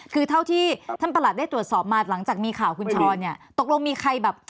ที่เท่าที่ท่านประหลักได้ตัดสอบมาหลังจากมีข่าวของคุณชรตกลงมีใครฆิม